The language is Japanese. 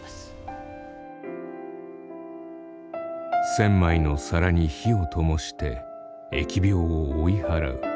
千枚の皿に火をともして疫病を追い払う。